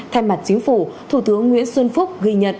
thay mặt chính phủ thủ tướng nguyễn xuân phúc ghi nhận